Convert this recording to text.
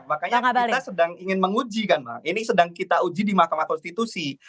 makanya kita sedang ingin menguji kan bang ini sedang kita uji di mahkamah konstitusi